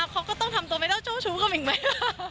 เขาก็ต้องทำตัวไม่เจ้าเจ้าชู้กับหมิงไหม